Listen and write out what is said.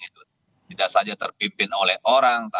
tidak saja terpimpin oleh orang